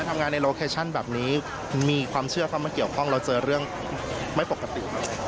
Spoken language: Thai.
ทำงานในโลเคชั่นแบบนี้มีความเชื่อเข้ามาเกี่ยวข้องเราเจอเรื่องไม่ปกติ